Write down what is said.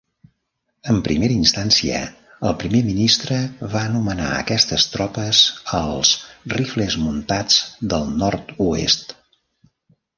En primera instància, el primer ministre va anomenar aquestes tropes els "Rifles Muntats del Nord-oest".